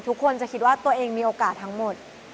ทุกคนจะคิดว่าตัวเองมีโอกาสทั้งหมด